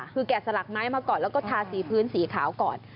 คือแกะสลักไม้มาก่อนแล้วก็ทาสีพื้นสีขาวก่อน